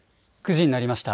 ９時になりました。